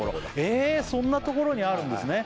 えそんなところにあるんですね